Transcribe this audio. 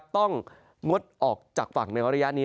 งดออกจากฝั่งในระยะนี้